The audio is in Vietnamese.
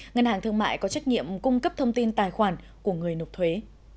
ngân hàng thương mại có trách nhiệm cung cấp thông tin tài khoản của người nộp thuế